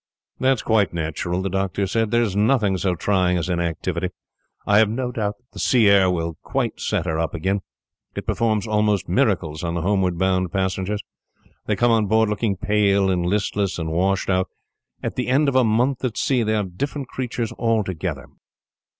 "That is quite natural," the doctor said. "There is nothing so trying as inactivity. I have no doubt that the sea air will quite set her up again. It performs almost miracles on the homeward bound passengers. They come on board looking pale, and listless, and washed out; at the end of a month at sea, they are different creatures altogether."